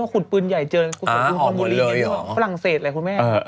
เวษวิจารณะเล่นอย่างพรางเศสละคุณแม่